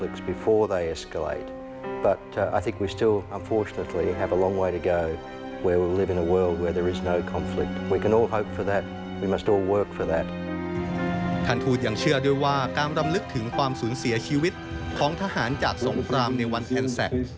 ทูตยังเชื่อด้วยว่าการรำลึกถึงความสูญเสียชีวิตของทหารจากสงครามในวันเอ็นแซค